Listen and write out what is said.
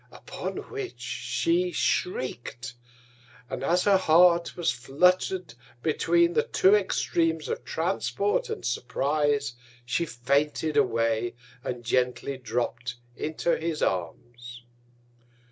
Upon which, she shriek'd; and as her Heart was flutter'd between the two Extreams of Transport and Surprize, she fainted away, and gently dropp'd into his Arms.